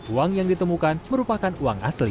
uang yang ditemukan merupakan uang asli